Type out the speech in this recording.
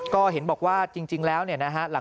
ก็เห็นบอกว่าจริงแล้วเนี่ยนะฮะ